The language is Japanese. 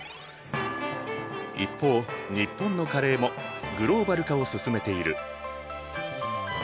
一方日本のカレーもグローバル化を進めている。